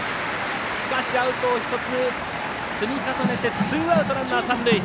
しかし、アウトを１つ積み重ねてツーアウトランナー、三塁。